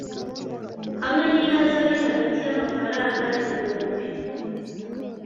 hamwe n’ihazabu iri hagati y’amafaranga ibihumbi